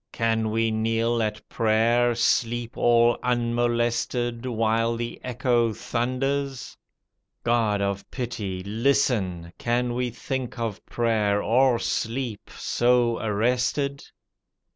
Can we kneel at prayer, sleep all unmolested, While the echo thunders? — God of pity, listen! Can we think of prayer — or sleep — so arrested?